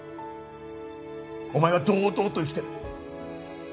お前は堂々と生きてる。